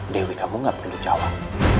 dewi kamu gak perlu jawab